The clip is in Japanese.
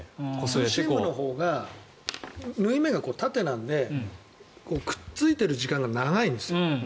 ツーシームのほうが縫い目が縦なのでくっついてる時間が長いんです。